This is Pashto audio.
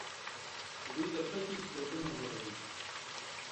خو دوی د فتحې سرودونه غږوي.